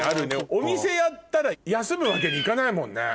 お店やったら休むわけにいかないもんね。